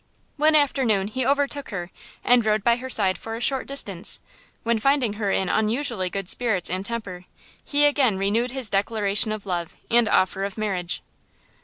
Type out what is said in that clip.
One afternoon he overtook her and rode by her side for a short distance when, finding her in unusually good spirits and temper, he again renewed his declaration of love and offer of marriage.